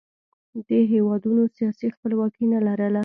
دې هېوادونو سیاسي خپلواکي نه لرله